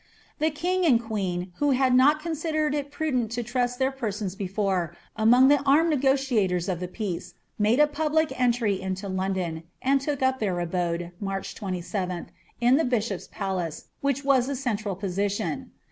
The king and queen, who had not considered it pnident to trust their perscms before, among the armed negotiators of ihe peare, made a public entry into London, and took up their abode, Mari^h 27, in the bishop's police, which was a central position.